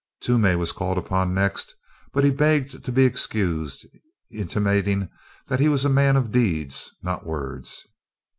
Toomey was called upon next but he begged to be excused, intimating that he was a man of deeds, not words.